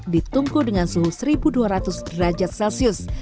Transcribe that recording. ditunggu dengan suhu seribu dua ratus derajat celcius